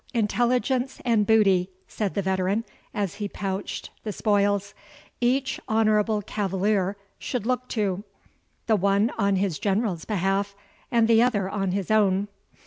"Intelligence and booty," said the veteran, as he pouched the spoils, "each honourable cavalier should look to, the one on his general's behalf, and the other on his own.